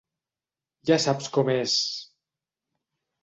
Ja saps com és...